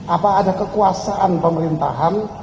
apa ada kekuasaan pemerintahan